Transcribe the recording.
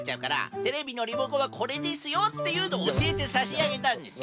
テレビのリモコンはこれですよっていうのをおしえてさしあげたんですよ。